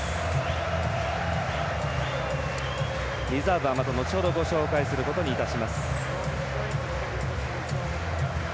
リザーブは後ほどまた紹介することにいたします。